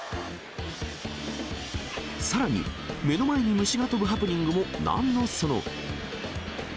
さらに、目の前に虫が飛ぶハプニングもなんのその。